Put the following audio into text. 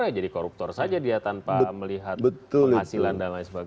ya jadi koruptor saja dia tanpa melihat hasil andang dan sebagainya